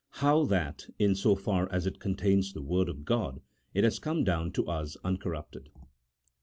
HOW THAT, IN SO FAR AS IT CONTAINS THE WORD OF GOD, IT HAS COME DOWN TO US UNCORRUPTED.